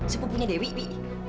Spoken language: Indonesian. sepupunya dewi bi